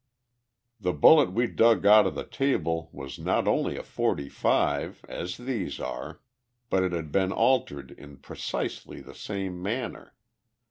The bullet we dug out of the table was not only a forty five, as these are, but it had been altered in precisely the same manner.